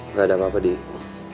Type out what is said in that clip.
gak ada apa apa dik